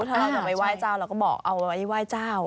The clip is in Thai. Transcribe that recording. ถ้าเราจะไปไหว้เจ้าเราก็บอกเอาไว้ไหว้เจ้า